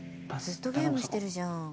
ずっとゲームしてるじゃん。